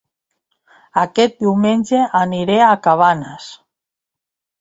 Aquest diumenge aniré a Cabanes